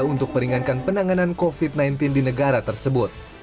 untuk meringankan penanganan covid sembilan belas di negara tersebut